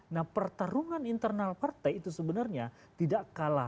nah pertarungan internal partai itu sebenarnya tidak kalah